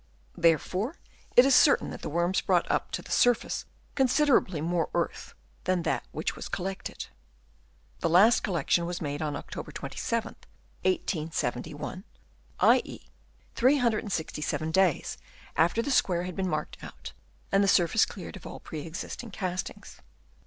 Therefore it is certain that the worms brought up to the surface considerably more earth than that which was collected. The last collection was made on October 27th, 1871 ; i.e., 367 Chap. III. BEOUGHT UP BY WORMS. 171 days after the square had been marked out and the surface cleared of all pre existing castings.